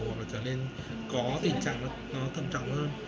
hoặc là trở nên có tình trạng nó thân trọng hơn